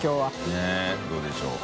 ねぇどうでしょう。